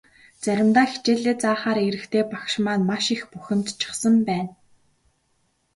Заримдаа хичээлээ заахаар ирэхдээ багш маань маш их бухимдчихсан байна.